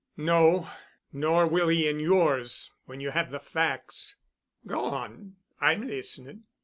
"No—nor will he in yours when you have the facts." "Go on. I'm listening."